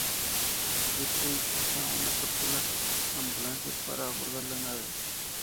Ripley usa una cápsula ambulancia para abordar la nave.